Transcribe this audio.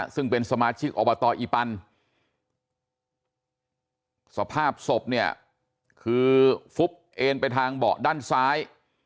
ซึ่งเป็นสมาชิกอบตอีปันสภาพศพเนี่ยคือฟุบเอ็นไปทางเบาะด้านซ้าย